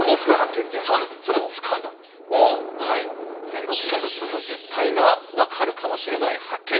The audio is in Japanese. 戦国時代の忍びの実態が分かるかもしれない発見。